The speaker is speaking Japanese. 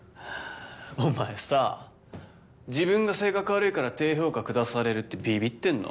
お前さ自分が性格悪いから低評価下されるってビビってんの？